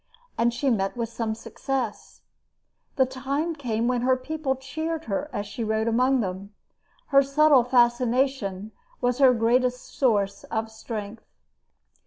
And she met with some success. The time came when her people cheered her as she rode among them. Her subtle fascination was her greatest source of strength.